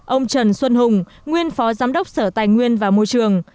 ông trần xuân hùng nguyên phó giám đốc sở tài nguyên và môi trường